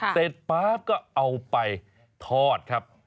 เสร็จป๊าบก็เอาไปทอดครับ